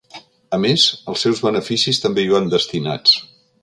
A més, els seus beneficis també hi van destinats.